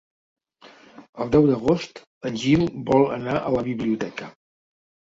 El deu d'agost en Gil vol anar a la biblioteca.